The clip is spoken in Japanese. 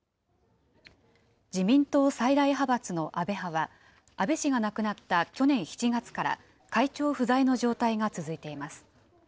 自民党最大派閥の安倍派は、安倍氏が亡くなった去年７月から、会長不在の状態が続いています。